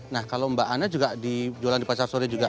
nah kalau mbak ana juga di jualan di pasar sore juga